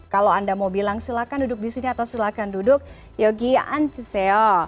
kalau anda mau bilang silakan duduk di sini atau silakan duduk yogianjiseo